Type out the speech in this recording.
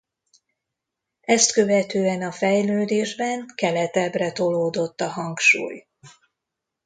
Ezt követően a fejlődésben keletebbre tolódott a hangsúly.